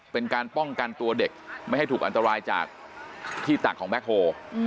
เป็นการป้องกันตัวเด็กไม่ให้ถูกอันตรายจากที่ตักของแบ็คโฮ